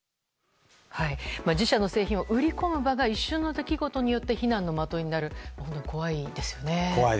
自社の製品を売り込む場が一瞬の出来事によって非難の的になる怖いですよね。